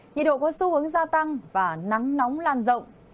nhiệt độ có xu hướng gia tăng và nắng nóng lan rộng